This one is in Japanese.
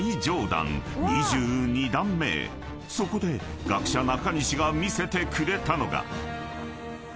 ［そこで学者中西が見せてくれたのが］